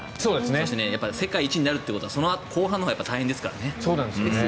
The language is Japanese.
そして、世界一になるってことは後半のほうが大変ですから。